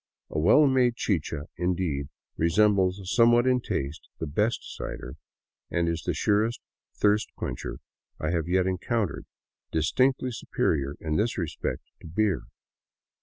A well made chicha, indeed, resembles somewhat in taste the best cider, and is the surest thirst quencher I have yet encountered, distinctly superior in this respect to beer.